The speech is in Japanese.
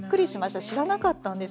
知らなかったんですね。